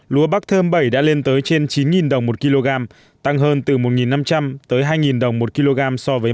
lúa bắc thơm bảy đã lên tới trên chín đồng một kg tăng hơn từ một năm trăm linh tới hai đồng một kg so với